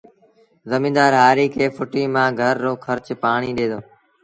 زميݩدآر هآريٚ کي ڦُٽيٚ مآݩ گھر رو کرچ پآڻيٚ ڏي دو